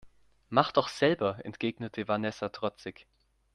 Mach doch selber, entgegnete Vanessa trotzig.